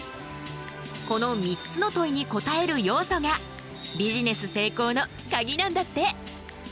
この３つの問いに答える要素がビジネス成功のカギなんだって。